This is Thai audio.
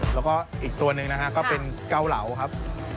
แล้วก็อีกตัวหนึ่งนะฮะก็เป็นเกาเหลาครับ